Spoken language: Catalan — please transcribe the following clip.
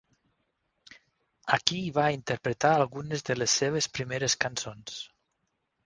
Aquí va interpretar algunes de les seves primeres cançons.